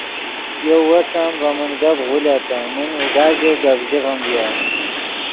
یو وس ام ڤے من گپ غولتے من اوگا ژے گپ ژیغیم ڤیو